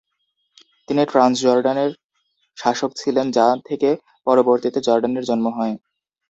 তিনি ট্রান্সজর্ডানের শাসক ছিলেন যা থেকে পরবর্তীতে জর্ডানের জন্ম হয়।